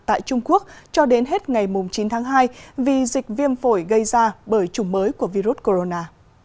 tại trung quốc cho đến hết ngày chín tháng hai vì dịch viêm phổi gây ra bởi chủng mới của virus corona